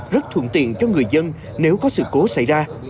rất thuận tiện cho người dân nếu có sự cố xảy ra